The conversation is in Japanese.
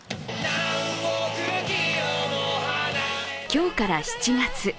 今日から７月。